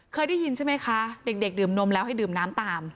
เคยได้ยินใช่ไหมคะเด็กดื่มนมแล้วให้ดื่มน้ำตาม